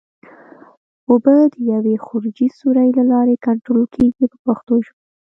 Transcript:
اوبه د یوې خروجي سوري له لارې کنټرول کېږي په پښتو ژبه.